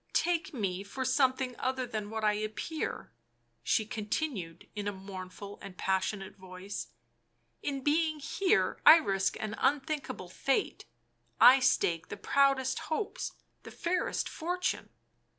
Take me for something other than what I appear," she continued, in a mourn ful and passionate voice. " In being here I risk an unthinkable fate — I stake the proudest hopes ... the fairest fortune. ..."